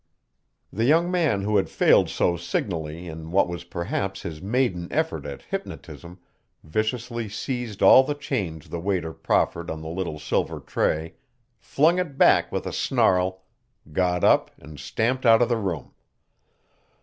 The young man who had failed so signally in what was perhaps his maiden effort at hypnotism viciously seized all the change the waiter proffered on the little silver tray, flung it back with a snarl, got up and stamped out of the room.